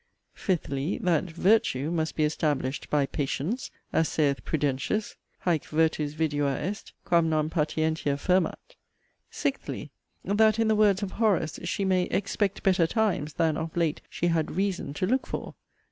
FIFTHLY, That 'virtue' must be established by 'patience'; as saith Prudentius: 'Hæc virtus vidua est, quam non patientia firmat.' SIXTHLY, That in the words of Horace, she may 'expect better times,' than (of late) she had 'reason' to look for.